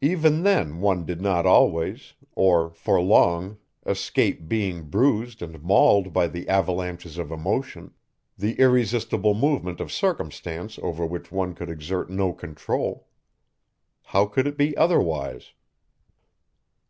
Even then one did not always, or for long, escape being bruised and mauled by the avalanches of emotion, the irresistible movement of circumstance over which one could exert no control. How could it be otherwise?